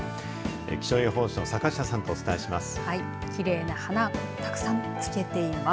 気象予報士の坂下さんとお伝えします。